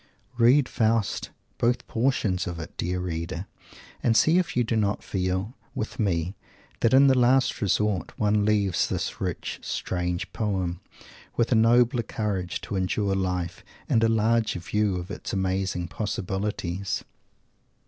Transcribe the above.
Read Faust, both portions of it, dear reader, and see if you do not feel, with me, that, in the last resort, one leaves this rich, strange poem with a nobler courage to endure life, and a larger view of its amazing possibilities!